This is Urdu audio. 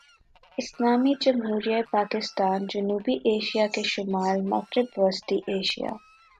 اسلامی جمہوریہ پاکستان جنوبی ایشیا کے شمال مغرب وسطی ایشیا